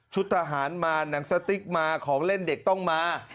ทหารมาหนังสติ๊กมาของเล่นเด็กต้องมา